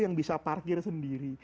yang bisa parkir sendiri